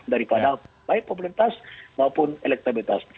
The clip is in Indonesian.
daripada baik popularitas maupun elektabilitas